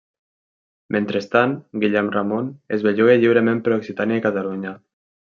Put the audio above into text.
Mentrestant, Guillem Ramon es belluga lliurement per Occitània i Catalunya.